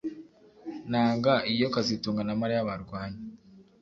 Nanga iyo kazitunga na Mariya barwanye